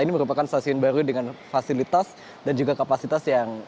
ini merupakan stasiun baru dengan fasilitas dan juga kapasitas yang